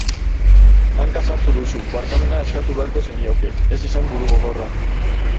Hanka sartu duzu, barkamena eskatu beharko zenioke, ez izan burugogorra.